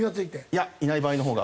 いやいない場合の方が。